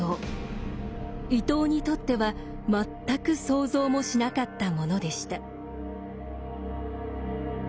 伊藤にとっては全く想像もしなかったものでした。